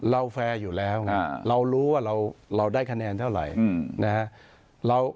เราแฟร์อยู่แล้วเรารู้ว่าเราได้คะแนนเท่าไร